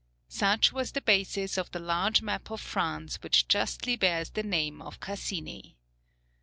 Such was the basis of the large map of France which justly bears the name of Cassini.